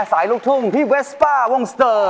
ลูกทุ่งพี่เวสป้าวงสเตอร์